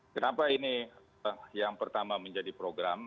kenapa ini yang pertama menjadi program